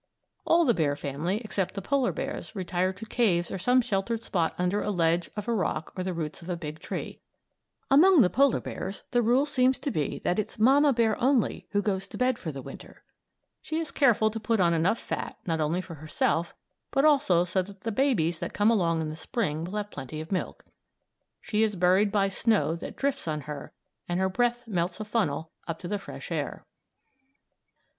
All the bear family, except the polar bears, retire to caves or some sheltered spot under a ledge of a rock or the roots of a big tree. Among the polar bears the rule seems to be that it's Mamma Bear only who goes to bed for the Winter. She is careful to put on enough fat not only for herself, but so that the babies that come along in the Spring will have plenty of milk. She is buried by snow that drifts on her and her breath melts a funnel up to the fresh air.